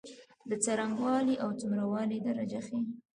د څرنګوالی او څومره والي درجه ښيي.